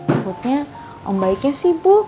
maksudnya om baiknya sibuk